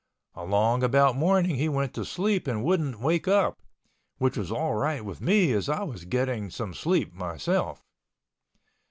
Along about morning he went to sleep and wouldn't wake up, which was all right with me as I was getting some sleep myself.